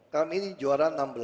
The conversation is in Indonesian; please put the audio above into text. kami juara enam belas